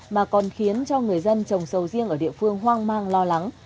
mà còn khiến cho người dân trồng sầu riêng ở địa phương hoang mang lo lắng